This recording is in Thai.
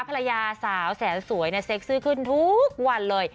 ภรรยาสาวแสนสวยเซ็กซี่ขึ้นทุกวันเลย